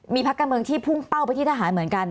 มีพักการเมืองที่พุ่งเป้าไปที่ทหารเหมือนกัน